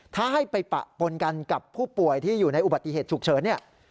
ถ้าให้ไปปะปนกันกับผู้ป่วยที่อยู่ในอุบัติเหตุฉุกเฉินเนี่ย